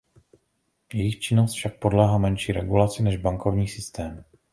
Jejich činnost však podléhá menší regulaci než bankovní systém.